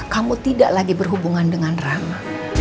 kamu tidak lagi berhubungan dengan rama